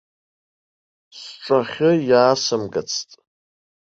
Сҿахьы иаасымгацт!